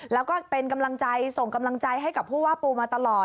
แล้วก็เป็นกำลังใจส่งกำลังใจให้กับผู้ว่าปูมาตลอด